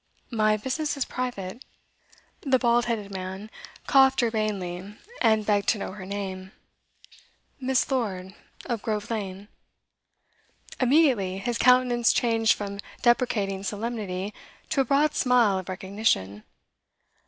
'My business is private.' The bald headed man coughed urbanely, and begged to know her name. 'Miss. Lord of Grove Lane.' Immediately his countenance changed from deprecating solemnity to a broad smile of recognition.